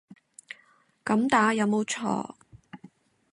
噉打有冇錯